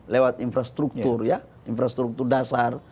lewat infrastruktur ya infrastruktur dasar